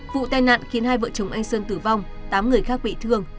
vụ tai nạn khiến hai vợ chồng anh sơn tử vong tám người khác bị thương